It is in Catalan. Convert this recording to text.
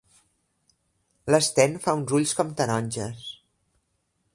L'Sten fa uns ulls com taronges.